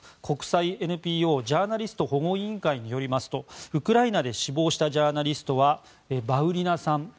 国際ＮＰＯジャーナリスト保護委員会によりますとウクライナで死亡したジャーナリストは、バウリナさん